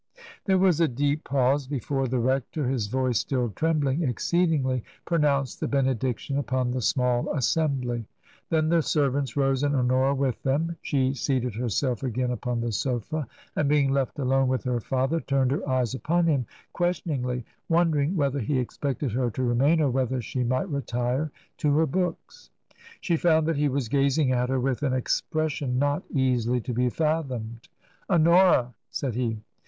There was a deep pause before the rector, his voice still trembling exceedingly, pronounced the benediction upon the small assembly. Then the servants rose, and Honora with them. She seated herself again upon the sofa, and being left alone with her father, turned her ^y^s upon him question ingly, wondering whether he expected her to remain, or whether she might retire to her books. She found that he was gazing at her with an expres sion not easily to be fathomed. " Honora !*' said he.